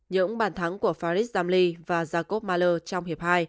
những bàn thắng của farid zamli và jacob mahler trong hiệp hai